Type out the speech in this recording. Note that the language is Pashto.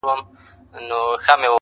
o په سپکو سپکتيا، په درنو درنتيا.